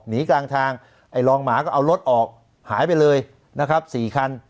หนีกลางทางไอ้รองหมาก็เอารถออกหายไปเลยนะครับ๔คัน